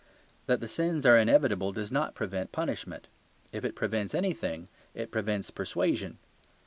That the sins are inevitable does not prevent punishment; if it prevents anything it prevents persuasion.